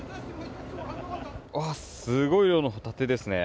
すごい量のホタテですね。